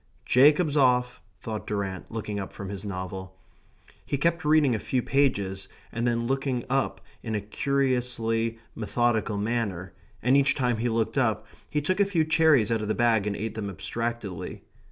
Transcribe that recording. "Jacob's off," thought Durrant looking up from his novel. He kept reading a few pages and then looking up in a curiously methodical manner, and each time he looked up he took a few cherries out of the bag and ate them abstractedly.